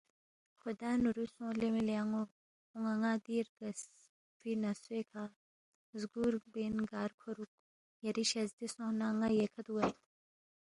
خُدا نُورو سونگ لے مِلی ان٘و اون٘ا ن٘ا دی رگسفی نسوے کھہ زگُور بین گار کھورُوک؟ یری شزدے سونگس نہ ن٘ا ییکھہ دُوگید